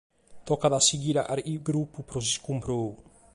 Tocat a sighire a carchi grupu pro s’iscumprou.